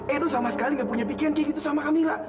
edo sama sekali nggak punya pikiran kayak gitu sama kamila